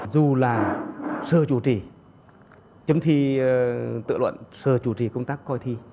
dù là sơ chủ trì chấm thi tự luận sơ chủ trì công tác coi thi